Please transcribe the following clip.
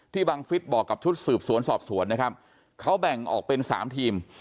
บังฟิศบอกกับชุดสืบสวนสอบสวนนะครับเขาแบ่งออกเป็น๓ทีม